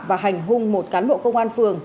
và hành hung một cán bộ công an phường